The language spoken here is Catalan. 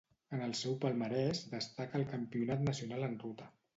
En el seu palmarès destaca el Campionat nacional en ruta.